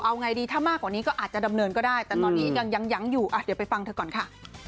เอาไงดีถ้ามากกว่านี้ก็อาจจะดำเนินก็ได้แต่ตอนนี้ยังยังอยู่เดี๋ยวไปฟังเธอก่อนค่ะ